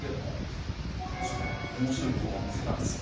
ちょっとおもしろい動画を見つけたんですよ。